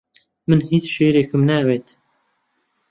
من هیچ شیرێکم ناوێت.